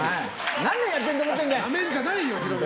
何年やってると思ってんだよ！